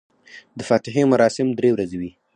د فاتحې مراسم درې ورځې وي.